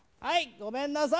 ごめんなさい